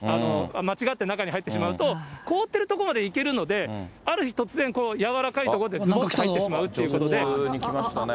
間違って中に入ってしまうと、凍ってる所まで行けるので、ある日突然、やわらかい所でずぼっとなってしまうということで。